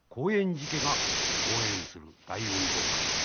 寺家が後援する大運動会。